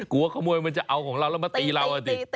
กลัวขโมยมันจะเอาของเราแล้วมาตีเราอ่ะสิ